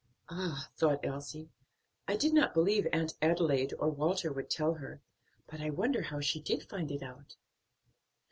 "Ah!" thought Elsie, "I did not believe Aunt Adelaide or Walter would tell her; but I wonder how she did find it out."